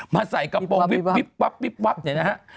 มาใส่กระโปรงวิบวับวิบวับวิบวับอย่างนี้นะฮะ